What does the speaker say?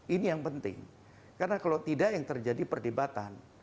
ini yang penting karena kalau tidak yang terjadi perdebatan